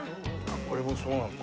これもそうなんだ。